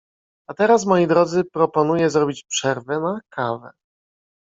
a teraz moi Drodzy, proponuję zrobić przerwę na kawę!